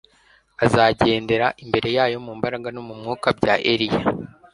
azagendera imbere yayo mu mbaraga no mu mwuka bya Eliya,